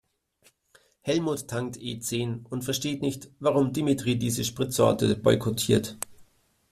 Helmut tankt E-zehn und versteht nicht, warum Dimitri diese Spritsorte boykottiert.